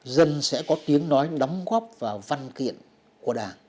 dân sẽ có tiếng nói đóng góp vào văn kiện của đảng